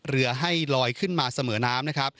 เรือให้ลอยขึ้นมาเสมอน้ำ